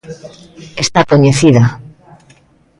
Está coñecida.